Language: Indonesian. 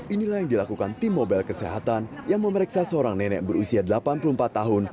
inilah yang dilakukan tim mobile kesehatan yang memeriksa seorang nenek berusia delapan puluh empat tahun